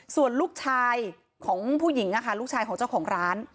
ส่วนลูกชายของผู้หญิงลูกชายของเจ้าของร้าน